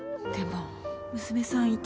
でも娘さん